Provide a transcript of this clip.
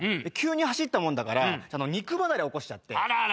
で急に走ったもんだから肉離れ起こしちゃって。